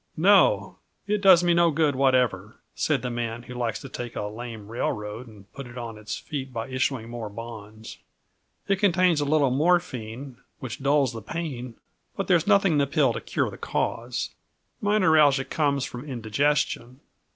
"No, it does me no good whatever," said the man who likes to take a lame railroad and put it on its feet by issuing more bonds. "It contains a little morphine, which dulls the pain but there's nothing in the pill to cure the cause. My neuralgia comes from indigestion.